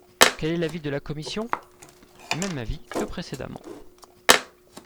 Quel est l’avis de la commission ? Même avis que précédemment.